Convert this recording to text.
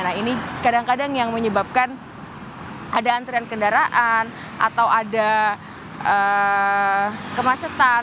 nah ini kadang kadang yang menyebabkan ada antrian kendaraan atau ada kemacetan